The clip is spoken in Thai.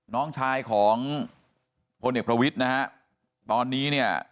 น้องชายของพลเอกประวิทย์นะฮะตอนนี้เนี่ย